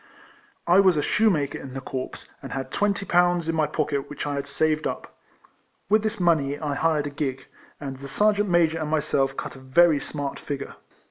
M 242 IlECOLLECTIONS OF I was a shoemaker in the corps, and had twenty pounds in my pocket which I had saved up. With this money I hired a gig, and the Sergeant Major and myself cut a very smart figure.